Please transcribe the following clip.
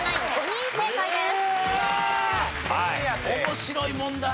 面白い問題。